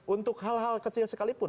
untuk hal hal kecil sekalipun